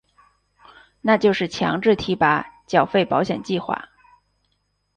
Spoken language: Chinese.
那就是强制提拨缴费保险计划。